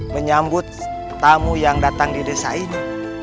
menyambut tamu yang datang di desa ini